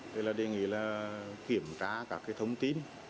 thì là đề nghị là kiểm tra các cái thông tin